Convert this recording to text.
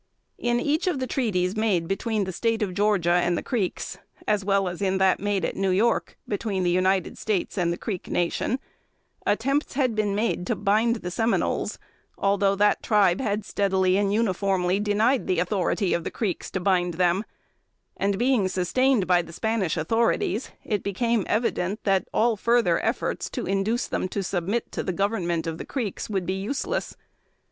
In each of the treaties made between the State of Georgia and the Creeks, as well as in that made at New York, between the United States and the Creek nation, attempts had been made to bind the Seminoles, although that tribe had steadily and uniformly denied the authority of the Creeks to bind them; and being sustained by the Spanish authorities, it became evident that all further efforts to induce them to submit to the government of the Creeks would be useless.